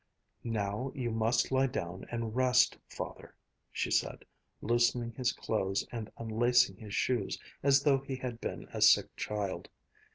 "Now you must lie down and rest, Father," she said, loosening his clothes and unlacing his shoes as though he had been a sick child.